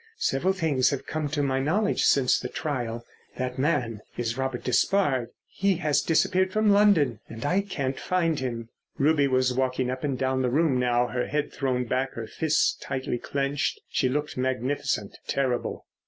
Several things have come to my knowledge since the trial. That man is Robert Despard. He has disappeared from London and I can't find him." Ruby was walking up and down the room now, her head thrown back, her fists tightly clenched. She looked magnificent, terrible.